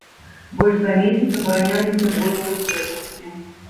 Больш за месяц абараняліся воіны ў крэпасці.